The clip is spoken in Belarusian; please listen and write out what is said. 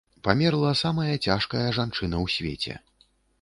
Памерла самая цяжкая жанчына ў свеце.